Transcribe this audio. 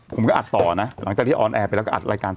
ผมก็อัดต่อนะหลังจากที่ออนแอร์ไปแล้วก็อัดรายการ